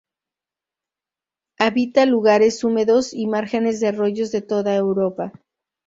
Habita lugares húmedos y márgenes de arroyos de toda Europa